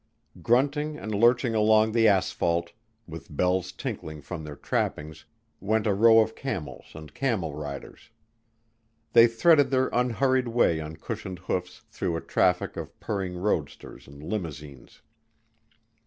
Grunting and lurching along the asphalt, with bells tinkling from their trappings, went a row of camels and camel riders. They threaded their unhurried way on cushioned hoofs through a traffic of purring roadsters and limousines.